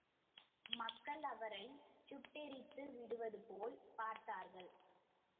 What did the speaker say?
மக்கள் அவரைச் சுட்டெரித்து விடுவது போல் பார்த்தார்கள்.